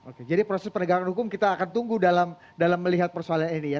oke jadi proses penegakan hukum kita akan tunggu dalam melihat persoalan ini ya